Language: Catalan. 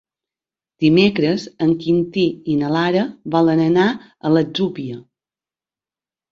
Dimecres en Quintí i na Lara volen anar a l'Atzúbia.